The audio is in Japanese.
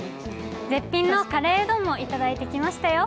絶品のカレーうどんもいただいてきましたよ。